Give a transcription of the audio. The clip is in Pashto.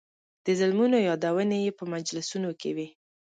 د ظلمونو یادونې یې په مجلسونو کې وې.